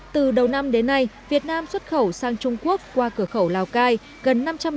từ đầu năm đến nay việt nam xuất khẩu sang trung quốc qua cửa khẩu lào cai